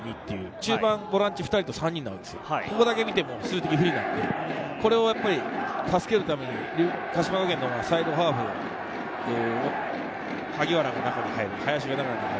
中盤のボランチ２人と３人、ここだけ見ても数的不利なので、助けるために鹿島学園のほうがサイドハーフ、萩原が中に入る、林。